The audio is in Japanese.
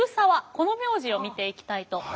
この名字を見ていきたいと思います。